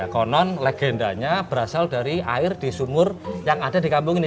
konon legendanya berasal dari air di sumur yang ada di kampung ini